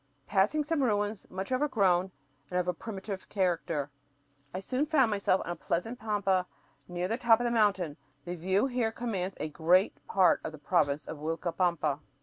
Passing some ruins much overgrown and of a primitive character, I soon found myself on a pleasant pampa near the top of the mountain. The view from here commands "a great part of the province of Uilcapampa."